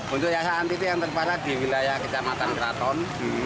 untuk yang saat itu yang terpada di wilayah kecamatan keraton